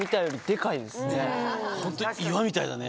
ホントに岩みたいだね。